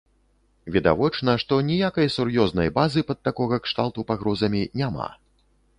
Відавочна, што ніякай сур'ёзнай базы пад такога кшталту пагрозамі няма.